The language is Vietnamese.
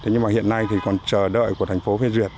nhưng mà hiện nay thì còn chờ đợi của thành phố phê duyệt